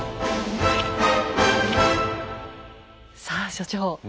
さあ所長